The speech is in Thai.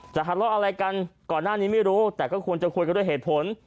ทะเลาะอะไรกันก่อนหน้านี้ไม่รู้แต่ก็ควรจะคุยกันด้วยเหตุผล